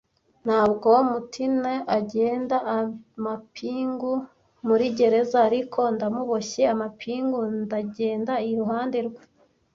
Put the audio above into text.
Ntabwo mutineer agenda amapingu muri gereza ariko ndamuboshye amapingu ndagenda iruhande rwe,